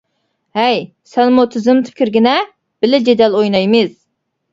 ھەي، سەنمۇ تىزىملىتىپ كىرگىنە، بىللە جېدەل ئوينايمىز.